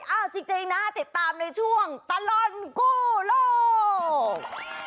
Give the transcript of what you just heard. เอาจริงนะติดตามในช่วงตลอดกู้โลก